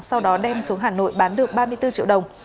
sau đó đem xuống hà nội bán được ba mươi bốn triệu đồng